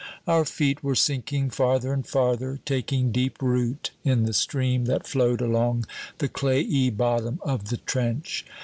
Our feet were sinking farther and farther, taking deep root in the stream that flowed along the clayey bottom of the trench.